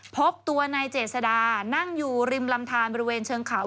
พบตัวนายเจษดานั่งอยู่ริมลำทานบริเวณเชิงเขา